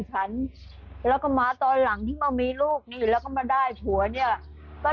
ฉันแล้วก็มาตอนหลังที่มามีลูกนี่แล้วก็มาได้ผัวเนี่ยก็